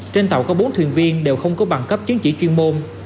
trên tàu có bốn thuyền viên đều không có bằng cấp chứng chỉ chuyên môn